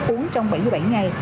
uống trong bảy mươi bảy ngày